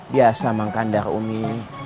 biasa bang kandar umi